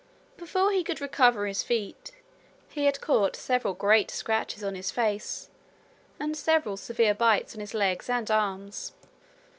Before he could recover his feet, he had caught some great scratches on his face and several severe bites on his legs and arms.